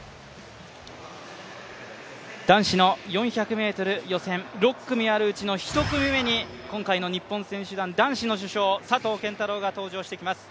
男子の４００ｍ予選、６組あるうちの１組目に今回の日本選手団男子の主将、佐藤拳太郎が登場してきます。